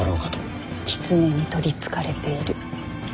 狐に取りつかれている。